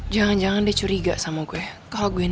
jangan dengan bulgarian yg memberikan